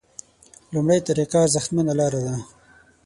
لومړۍ طریقه ارزښتمنه لاره ده.